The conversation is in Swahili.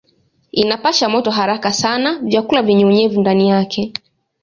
Inapasha moto haraka sana vyakula vyenye unyevu ndani yake.